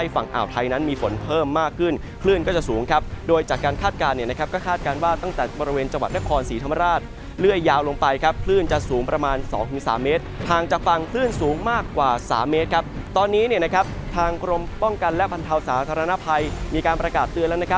ฝั่งอ่าวไทยนั้นมีฝนเพิ่มมากขึ้นคลื่นก็จะสูงครับโดยจากการคาดการณ์เนี่ยนะครับก็คาดการณ์ว่าตั้งแต่บริเวณจังหวัดนครศรีธรรมราชเรื่อยยาวลงไปครับคลื่นจะสูงประมาณ๒๓เมตรห่างจากฝั่งคลื่นสูงมากกว่า๓เมตรครับตอนนี้เนี่ยนะครับทางกรมป้องกันและบรรเทาสาธารณภัยมีการประกาศเตือนแล้วนะครับ